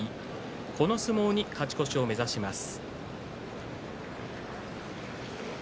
この相撲に勝ち越しを目指します。